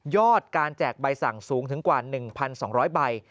การแจกใบสั่งสูงถึงกว่า๑๒๐๐ใบ